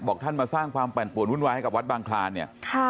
ท่านมาสร้างความปั่นป่วนวุ่นวายให้กับวัดบางคลานเนี่ย